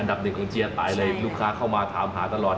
ดับหนึ่งของเจียตายเลยลูกค้าเข้ามาถามหาตลอด